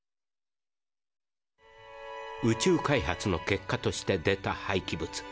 宇宙開発の結果として出たはいき物